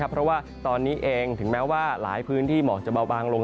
เพราะว่าตอนนี้เองถึงแม้ว่าหลายพื้นที่หมอกจะเบาบางลง